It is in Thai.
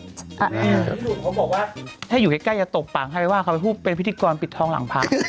พี่หนูเขาบอกว่าถ้าอยู่ใกล้จะตบปากให้ไหมว่าเขาเป็นพิธีกรปิดทองหลังผ้า